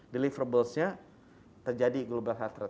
deliverables nya terjadi global heart rate